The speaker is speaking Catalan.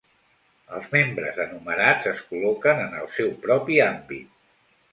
El membres enumerats es col·loquen en el seu propi àmbit.